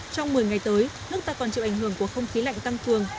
trong một mươi ngày tới nước ta còn chịu ảnh hưởng của không khí lạnh tăng cường